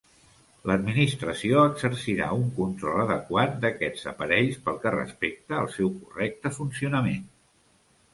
L'Administració exercirà un control adequat d'aquests aparells pel que respecta al seu correcte funcionament.